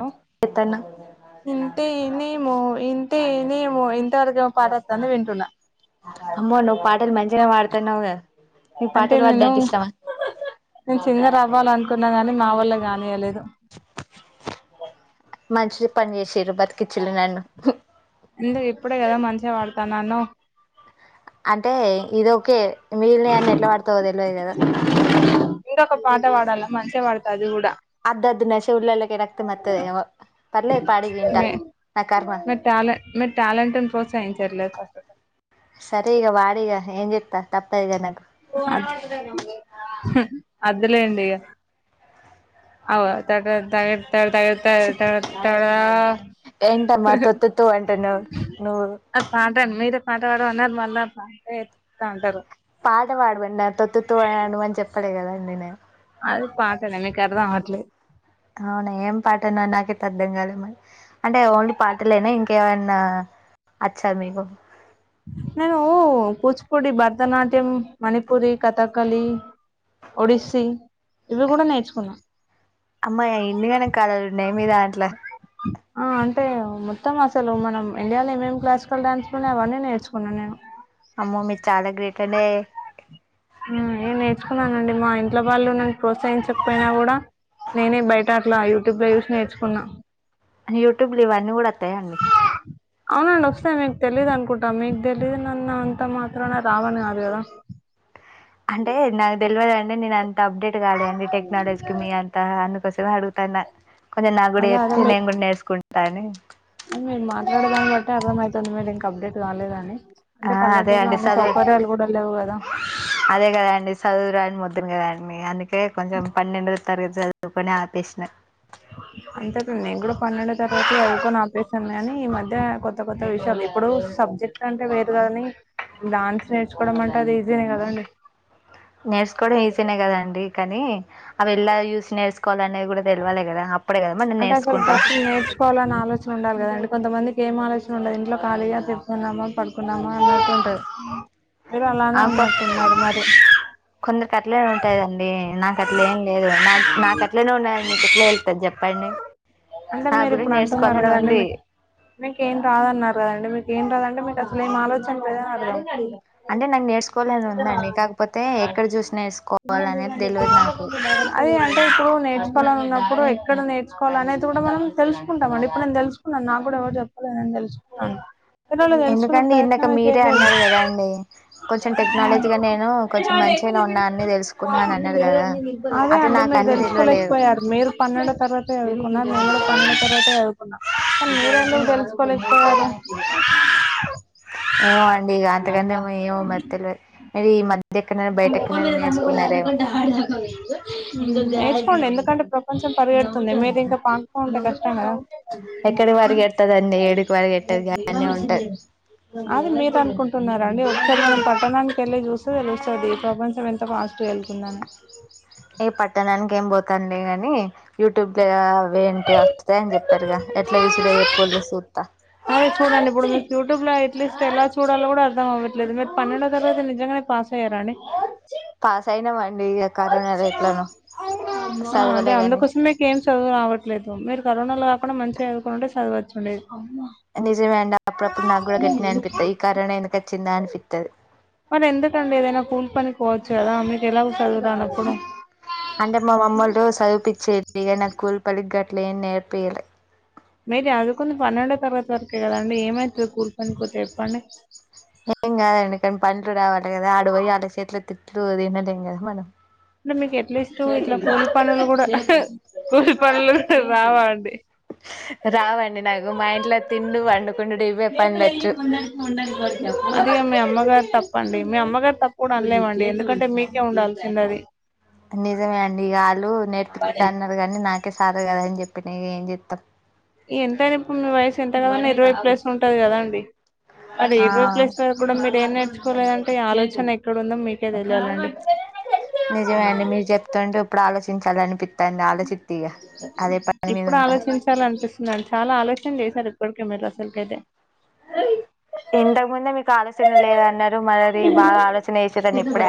లో చెత్తన్నావ్ ఇంతే నేమొ ఇంతే నేమొ ఇంతవరకు ఏమో పాట అతంది వింటున్నా అమ్మో నువ్వు పాటలు మంచిగా పాడుతున్నావుగా నీకు అంటే పాటలు పాడడం నేను ఇష్టమా నేను సింగర్ అవ్వాలన్ కున్నా గాని నా వల్ల గానీయలేదు మంచిరి పని చేసిన్రు బాత్ ఇందు ఇప్పుడే గదా మంచిగా వాడు తనను అంటే ఇది ఓకే మిగిలినయి అన్ని ఎట్లా వాడుతావో తెలువదు గదా తవాడాలా మంచిగా వాడుత అది గుడా అద్దు అద్దు నా చెవుల్లా కే రక్తం అత్తది పర్లేద్ పాడు ఇగ ఇంటా మే నా కర్మ మీరు టాలెంట్ మీరు టాలెంట్ ను ప్రోత్సహించట్లేదు ఫస్ట్ సరే ఇగ వాడు ఇగ ఏం చెత్ త తప్పది గా నాకు అద్దు లేండి ఇగ అవు దగ దగత్ తతతడుతడా ఏంటమ్మా తొత్తుత్తు అంటున్నావు నువ్వు ఆ పాటను మీరు మాట వడు అన్నారు మళ్ళా ఎత్త అంటారు పాట పాడవండి నా తొత్తు అను అని చెప్పలే కదండి నేను అది పాత నే మీకు అర్ధం అవట్లే అవునా ఏం పాటనో నాకు ఐతే అర్ధం కాలే మరి అంటే ఓన్లీ పాటలేనా ఇంక ఏమన్నా వచ్చా మీకు నేను కూచిపూడి భరతనాట్యం మణిపూరి కథాకళి ఒడిస్సీ ఇవి గుడా నేర్చుకున్నా అమ్మా ఎన్నిగానం కళాలు ఉన్నాయి మీ దాంట్ల ఆ అంటే మొత్తం అసలు మనం ఇండియాలో ఏమేమి క్లాసికల్ డాన్సులు ఉన్నాయి అవన్నీ నేర్చుకున్నాను నేను ఆమ్మో మీరు చాలా గ్రేట్ అండి ఉ ఏం నేర్చుకున్నానండి మా ఇంట్లో వాళ్ళు నన్ను ప్రోత్సహించకపోయినా గుడా నేనే బయట్ టా అట్లా యూట్యూబ్ లో చుస్ నేర్చుకున్నా నీ యూట్యూబ్లు ఇవన్ని గుడాత్ అవును అను స్తే మీకు తెలిదు అనుకుంటా మీకు తెలిదు నన్ను అంత మాత్రన రావు అను గాదు గదా అంటే నాకు తెలివదు అండి నేను అత్ అప్డేట్ కాలే అండి టెక్నాలజీకి మీ అంతా అను కోసమే అడుగుతాన్న కొంచం నగు కూడా అదే అదే చెప్తే మీ నేను కూడా నేర్చుకున్ కానీ మీరు మాట్లాడదాన్ని బట్టి అర్థమైతుంది మీరు ఇంక అప్డేట్ కాలేదని ఆ అంటే అదే పల్లెటూరులో అండి అన్ని చదువు సౌకర్యాలు కూడా లేవు కదా అదే కదండి చదువురాని మొద్దునే అండి అన్ని కొంచెం పన్నెండు తరగతి చదువుకుని ఆపేసిన అంతే నేను కూడా పన్నెండో తరగతి చదువుకుని ఆపేసిన కానీ ఈ మధ్య కొత్త కొత్త విషయాలు ఇప్పుడు సబ్జెక్ట్ అంటే వేరు గానీ డాన్స్ నేర్చుకోవడం అంటే అది ఈజీనే కదండి. నేర్చుకోవడం ఈజీనే కదండి కాని అది ఎల్లా చూసి నేర్చుకోవాలి అనేది కూడా తేల్వాలి కదా అప్పుడే మనం అంటే అసలు నేర్చుకుంటాం ఫస్ట్ నేర్చుకోవాలని ఆలోచన ఉండాలి కదండి కొంతమందికి ఏం ఆలోచన ఉండదు ఇంట్లో ఖాళీగా కూర్చున్నామా పడుకున్నామా అన్నట్టు ఉంటది. మీరు అలానే ఆ! కొ ఉన్నట్టున్నారు మరి కొందరికి అట్లేనే ఉంటాదండి నాకు అట్ల ఏం లేదు నా నాకు అట్లేనే ఉన్నా మీకు ఎట్లా తెలుతది చెప్పండి. అంటే నాకు మీరు కూడా ఇప్పుడు అంటున్నారు నేర్చుకోవాలని కదండి ఉంది. మీ మీకేం రాదన్నారు కదండి మీకు ఏం రాదంటే మీకు అసలు ఏం ఆలోచన లేదనీ [unintelligible] అంటే నాకు నేర్చు కో [unintelligible] ఉందండి కాకపోతే ఎక్కడ చూసి నేర్చుకోవాలి అనేది తెల్వదు నాకు అది అంటే ఇప్పుడు నేర్చుకోవాలని ఉన్నప్పుడు ఎక్కడ నేర్చుకోవాలనేది కూడా మనం తెలుసుకుంటాం అండి ఇప్పుడు నేను తెలుసుకున్నాను నాకు కూడా ఎవరు చెప్పలే నేను తెలుసుకున్నాను. కానీ వాళ్ళు తెలుసుకునే ఎందుకండి ఇందక ప్రయత్నమే మీరే చేయలేదు అన్నారు కదా అండి కొంచెం టెక్నాలజీగా నేను కొంచెం మంచిగానే ఉన్నా అన్నీ తెలుసుకున్నా అని అన్నారు కదా! అదే అట్లా అండి నాకు మీరు అన్నీ తెలవలేదు. తెలుసుకోలేకపోయారు మీరు పన్నెండో తరగతే చదువుకున్నారు నేను కూడా పన్నెండో తరగతే [unintelligible] మీరెందుకు తెలుసుకోలేక్ ఓ ఏమో అండి ఇగ అంతకన్నా ఏమో మరి తెలియద్ ఈ మద్ నేర్చుకోలేదండి ఎందుకంటే ఎక్కడి పరిగెడతదండి ఏడికి పరిగెట్టదు గన్నే ఉంటది [unintelligible] అది మీరు అనుకుంటున్నారండి ఒకసారి మనం పట్టణానికి వెళ్ళి చూస్తే తెలుస్ స్తది ఈ ప్రపంచం ఎంత ఫాస్ట్ గా వెళ్తుందను ఏ పట్టణానికి ఏం పోత్ తండే గాని యూట్యూబ్ ఆ అవి ఏంటి వస్తాయి అని చెప్పారుగా ఎట్లా యూస్డ్ అయ్యే పొళ్లో సూత్త అట్లీస్ట్ ఎలా చూడాలో కూడా అర్దం అవ్వట్లేదు మీరు పన్నెండో తరగతి నిజంగానే పాస్ అయ్యార అండి పాసయినా మం అమ్మా చదవలే అదే గాని అందుకోసమే మీకు ఏం చదువు రావట్లేదు మీరు కరోనాలో అప్పుడే మంచిగా అదువుకొని ఉంటే సదువచ్చుండేది నిర్ నిజమే అండి అప్పుడప్పుడు నాకు కూడా గట్టినే అనిపిత్తాయి ఈ కారోనా ఎందుకొచ్చిందా అనిపిత్తాది మరి ఎందుకండి ఏదైనా కూల్ పనికి పోవచ్చు కదా మీరు ఎలాగో సదువురానప్పుడు అంటే మా మమ్మల్లు సదువుపిచ్చేకి నా కూల్ పనికి గా ఏం నేర్పీ ల్య మేబి అదకొన్నది పన్నెండో తరగతి వరకే కదండి ఏమయితుంది కూలిపనికి పోతే చెప్పండి ఏం కాదండి కానీ పండ్లు రావట కదా ఆడ బోయి ఆళ్ల సేత్లొ తిట్లు తినలేం కదా మనం అంటే మీకు ఎట్లీస్ట్ ఇట్లా కూలి పనులు కూడా కూలి పనులు కూడ రావ అండి రావండి నాకు మా ఇంట్లో తిండు వండుకుండు ఇవే పనులొచ్చు అది ఇగా మీ అమ్మగారు తప్పు చెప్పండి మీ అమ్మగారు తప్పు కూడా అనలేమండి ఎందుకంటే మీకే ఉండాల్సింది అది నిజమే అండి ఆల్లూ నేర్పిత్తా అన్నారు గానీ నాకే శాత కాదు అని చెప్పి న ఇగ ఏం చె త ఎంతైన ఇప్పుడు మీ వయసు ఎంత కదన్నా ఇరవై ప్లస్ ఉంటది కదా అండి అదే ఆ ఇరువై ప్లస్ [unintelligible] కూడా మీరు ఏం నేర్చుకోలేదంటే ఆలోచన ఎక్కడ ఉందో మీకే తెలియాలండి నిజమే అండి మీరు చెప్తాంటే ఇప్పుడు ఆలోచిం చించాలని అనిపిత్తాంది ఆలోచి ఇప్పుడు ఆలోచించాల అనిపిస్తుంది అండి చాలా ఆలోచ సార్ కోక మల స్వల్ప ఇతే [unintelligible] ఇంతకు ముందే మీకు ఆలస్యంగ లేదు అన్నారు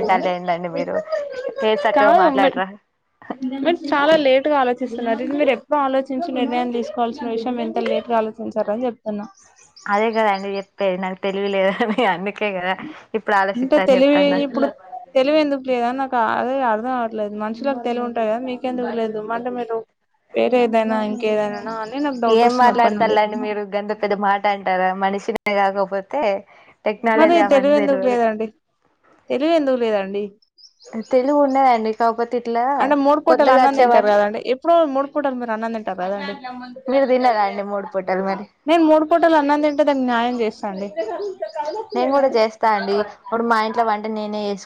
అంటారు ఏందండి మీరు ఏ సక్కగా కాదు మాట్లాడరా మరి చాలా లేట్గా ఆలోచిస్తున్నారు ఇది మీరు ఎప్పుడో ఆలోచించ చూచి నిర్ణయం తీసుకోవాల్సిన విషయం ఎంత లేట్ గా ఆలోచించారు అని చెప్తన్నా అదే కదా అండి జెప్పేది నాకు తెలివిలేదని అన్నికి అంటే తెలివి ఇప్పుడు తెలివి ఎందుకు లేదా అని నాక అదే అర్థం అవట్లేదు మనుషులకి తెలివి ఉంటాయి కదా మీకెందుకు లేదు మంటే మీరు వేరే ఏదైనా ఇంకేదైనా నాకు డౌట్ ఏం వస్తుంది అప్పటి మాట్లాడతారు నుండి లేండి మీరు గంత పెద్ద మాట అంటారా మనుషిని గాకపోతే మరి తెలివి ఎందుకు లేదండి తెలివి ఎందుకు లేదండి తెలుగు ఉన్నదండి కాకపోతే ఇట్లా అంటే మూడు పూటలు కొత్తగా అన్నం వచ్చే తింటారు వాటి కదండి ఎప్పుడు మూడు పుటలు మీర్ అన్నం తిన్ మీరు తిన్నారా అండి మూడు పూటలు మరి మేం మూడు పూటల అన్నం తింటే దానికి న్యాయం చేస్తా అండి నేను కూడా చేస్తా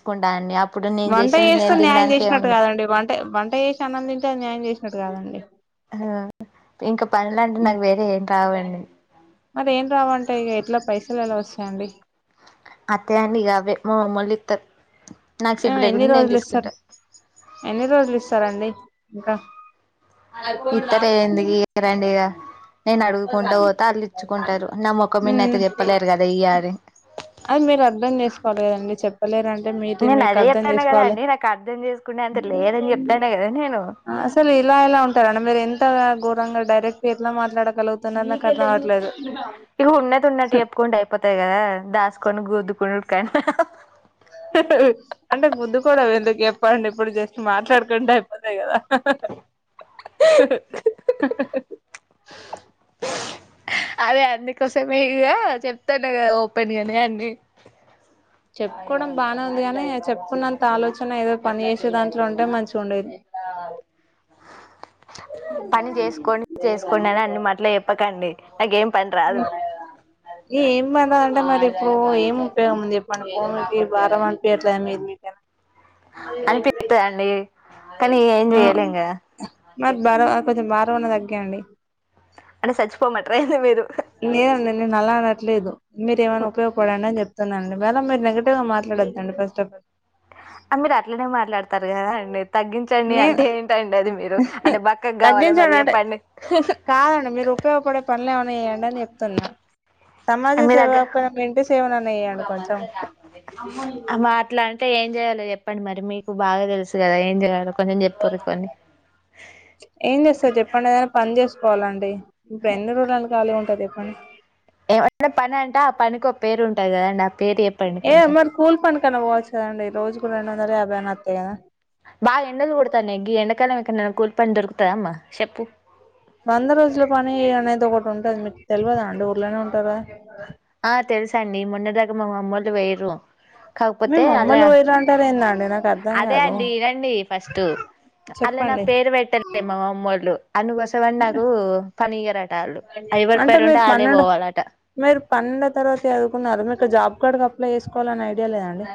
కుంటా అండి అప్ వంట చేస్తే న్యాయం చేసినట్టు కాదండి వంట వంట చేసి అన్నం తింటే న్యాయం చేసి అట్ట కాదండి ఆ ఇంక పనుల అంటే నాకు వేరే ఏట్ రావండి మరి ఏం రావంటే ఇక ఎట్లా పైసలు ఎలా వస్తాయండి అత్తే అంటే ఇగ గవే మోమల్ దితరు ఆ ఎన్ని రోజులు ఇస్తార్ ఎన్ని రోజులు ఇస్తారండి ఇంకా ఇద్దరే ఎందుకు చేత్తరండి ఇగ నేను అడుగుకుంట పోతా వాళ్ళు ఇచ్చుకుంటరు నా మొకం మీద అట్ట చెప్పలేరు కదా ఇయ్ అని చెప్పలేర్ అంటే మీ నేను మీకు అదే అర్థం చెప్తాన్నా కదా చేసుకోవాలి అండి నాకు అర్థం చేసుకునే అంత లేదని చెప్తాన్నా కదా నేను అసలు ఇలా ఎలా ఉంటారడి మీరు ఎంత ఘోరంగా డైరెక్ట్ గా ఎట్ల మాట్లాడగలగు ఇక ఉన్నది ఉన్నట్టు చెప్పుకుంటే అయిపోతది కదా దాస్ కొనుగోతు కుడల్ కన్ హ్ హ్ అంటే గుద్దు కోవడం ఎందుకు చెప్పండి ఇప్పుడు జస్ట్ మాట్లాడకుంటే అయిపోతది కదా అదే అందుకోసమే చెప్తన్న కదా ఓపెన్ గానే అన్ని చెప్పుకోవడం బానే ఉంది అంటే చెప్పుకున్నంత ఆలోచన ఏదో పని చేసి దాంట్లో ఉంటే మంచిగా ఉండేది పని చేసుకోండి చేసుకోండి అని అన్ని మాట్ల చెప్పకండి నాకేం పని రాదు ఏమ్ అలా అంటే మరి ఇప్పుడు ఏమి ఉపయోగం ఉంది చెప్పండి భూమికి భారం అనిపియట్లే మీ అనిపిత్తదండి కానీ ఏం చెయ్యలేం కదా మరి బరా కొంచెం బారం అన్న తగ్గియండి అంటె సచ్చిపోమంటరా ఏంది మీరు లేదండి నేను అలా అనట్లేదు మీరేమన్నా ఉపయోగపడండి అన్ చెప్ టున్న అండి మేడం మీరు నెగటివ్ గా మాట్లాడద్దండి ఫస్ట్ ఆఫ్ పాల్ మీరు అట్లనే మాట్లాడతారు కదా అండి తగ్గించండి నే అంటే ఏంటండి అది మీరు అంటే బక్కగ్ కావాల తగ్గించండి మరి అంటే చెప్పండి కాదండి మీరు ఉపయోగపడే పనులు ఏమన్న చేయండి అని చెప్తున్నా సమాజ మీ సేవ దగ్గర కాకపోయినా ఇంటి సేవలన్నసెయ్యండి కొంచెం తే ఏం చేయలో చెప్పండి మరి మీకు బాగా తెలుసు కదా ఏం చేయలో ఏ జేస చెప్పన్డి ఎద ప చేస్తు కోవాలండి ఇప్పుడు ఎన్ని రోజులు ఖాలీ ఉంటుర్ చెప్ప క్కని ఏమంటే పని అంట ఆ పనికి ఒక పేరు ఉంటాది కదండి పేరు చెప్పండి ఏ కొంచెం అమరి స్కూల్ ప కన పోవచ్చ అండి రోజ ప రేభనా అత్త కద బాగా ఎండలు కొడాలి గి ఎండాకాలం ఎక్కడన కూల్ పని దొరుకుతద అమ్మా చెప్పు వంద రోజుల పని అనేది ఒకటి ఉంటంది మీకు తెల్వదాండి ఊర్లోనే ఉంటారు గా ఆ తెలుసండి మొన్న దకా మ మమ్మొల్లు వెయ్యిర్రు మీ మమ్మల్లు వయరాంటారు ఎన్నాడ అదే అండి ఇనండి ఫస్ట్ అలా నా చెప్పండి పేరు వెట్టలే మామ్మె హలో అను బసవణకు పనీయర అంటే మీరు పన్నెండు మీరు పన్నెండు తర్వాత జదుకున్నర క జాబ్ కార్డ్ క్ అప్లై చేకోవాలని ఐడియా లేదాండి?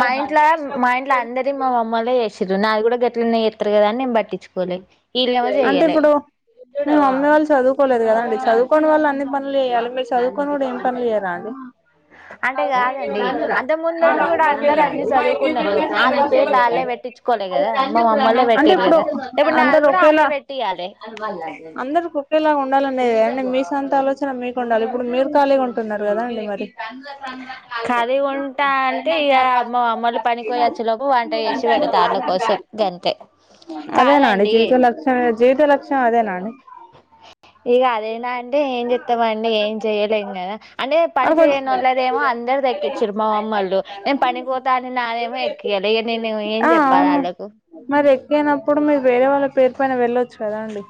మా ఇంట్లో మా ఇంట్ల అందరి మా అమ్మలే జేశి నాది గూడ గట్లనె జేత్తరు కదా అన్ నేన్ బట్ అంటే ఇప్పుడు మీ మమ్మి వాళ్ళు చదువుకోలేదు కదాండి చదువుకోని వాళ్ళు అన్ని పనులు జెయ్యాలి మీరు చదువుకోని కూడా ఏం పన్లు చేయరా అండి అంటే కాదండి అంత ముందళ్లు కూడా అందరు అన్ని చదువుకున్నారు వాళ్ళు పేర్లు వాళ్ళే పెట్టించుకోలే కదా మా మమ్మల్ల్లో అంటే పెట్టారు ఇప్పుడు కదా ఇప్పుడు నాది అందరు కూడా ఆళ్ళే ఒకేలా పెట్టియ్యాలే అందరికి ఒకేలా ఉండాలని అద అండి మీ సొంత ఆలోచన మీకు ఉండాలి ఇప్పుడు మీరు ఖాళీ ఉంటున్నారు కదా అండి మరి కదీ ఉంటా అంటే ఇక అమ్మ మమ్మలు పని పోయచ్చు లోపు వంట చేేసి పెడుత వాళ్ళ కోసం గంతె అదే నాడి జీవిత లక్ష్యం జీవిత లక్ష్యం అదే నాండి ఇగ అదేనా అంటే ఏం చెత్తమండి ఏం చెయ్యలేం కదా అంటే పని మరి చేయని కొంచెం వాళ్ళదేమో అందర్ది ఎక్కిచ్చిరు మా మమ్మల్ళు నేను పనిపోతా అని నాదేమో ఎక్కియాలె ఇక నేను ఏం చెప్పాలి వాళ్ళకు కేన పీపుల్ మీర్ వేరే వాళ్ళ పేరు పైన వెళ్ళొచ్చు కదా అండి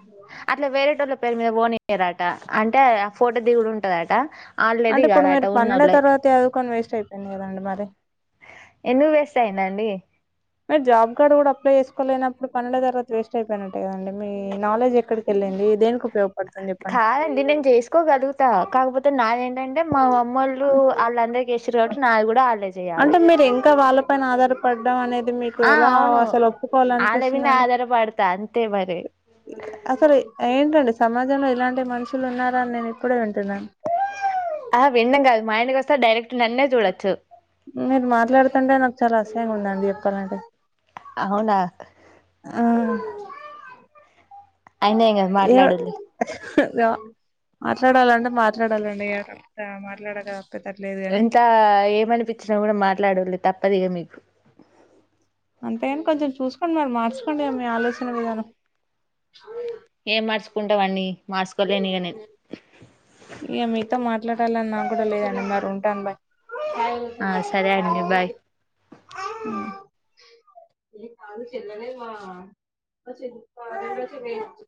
రట అంటే ఆ ఫోటో దిగుడు ఉంటదట వాళ్ళే అంటే ఇప్పుడు దిగాలట మీరు పన్నెండే ఉన్నోళ్ళే తరగతి చదుకొని వేస్ట్ అయిపోయింది కదండి మరి ఎందుకు వేస్ట్ అయిందండి మీరు జాబ్ కార్డ్ కూడా అప్లై చేసుకోలేనప్పుడు పనుల తర్వాత వేస్ట్ అయిపోయినట్టే కదండి మీ నాలెడ్జ్ ఎక్కడికి ఏలింది దేనికి ఉపయోగ కాదండి నేను చేసుకోగలుగుతా కాకపోతే నాదేంటంటే మా మమ్మళ్ళు వాళ్ళందరిక వస్తారు కాబట్టి నాకు కూడా ఆళ్లేే అంటే మీరు ఇంకా వాళ్ళ పైన ఆధారపడ్డం అనేది మీకు ఆ ఎలా అవును అసలు ఒప్పుకోవల ఆళ్ళ మీదనే అనిపిస్తుందండి ఆధారపడతా అంతే మరి అసలు ఏంటండి సమాజంలో ఇలాంటి మనుషులు ఉన్నారా అని నేను ఇప్పుడే వింటున్నాను ఆహ విండం కాదు మా ఇంటికి వస్తే డైరెక్ట్ నన్నే చూడొచ్చు మీరు మాట్లాడుతుంటే నాకు చాలా అసహ్యంగా ఉందండి చెప్తా అన్న ఇది అవునా ఆ అయిన ఏం కాద్ మాట్లాడురి ద మాట్లాడాలంటే మా ట్లాడాలండి ఎ మట్లలాడగా ఎంత ఏమనిపించిన కూడ మాట్లాడుల్లి తప్ తపదుగా మీకు అంతేగని కొంచెం చూసుకోండి మరీ మార్చుకోండి మీ ఆలోచన విధానం ఏం మార్చుకుంటవ్ మార్చు ఇ మీతో మాట్లాడ్ లని నాక్కూడా లేదండి మరి ఉంటాం బాయ్ చ ఆ సరే అండి బాయ్ చ ఏ చాల చెలానే ప